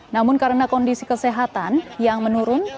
namun karena kondisi kesehatan yang menurun